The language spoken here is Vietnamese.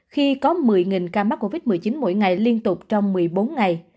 khi có một mươi ca mắc covid một mươi chín mỗi ngày liên tục trong một mươi bốn ngày